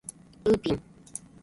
ウーピン